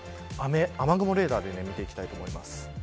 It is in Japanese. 雨雲レーダーで見ていきたいと思います。